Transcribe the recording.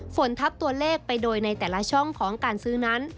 ฝนทับตัวเลขไปโดยในแต่ละช่องของการซื้อนั้น